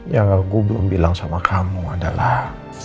yang aku belum bilang sama kamu adalah